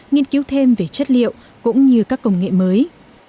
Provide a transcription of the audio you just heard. nghiên cứu thêm về chất liệu cũng như các công nghệ mới